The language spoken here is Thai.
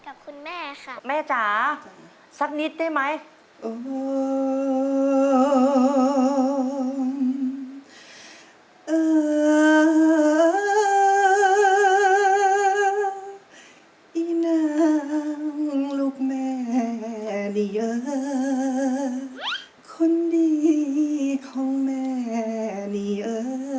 โอ้เอ่ออีนางลูกแม่นี่เอ่อคนดีของแม่นี่เอ่อ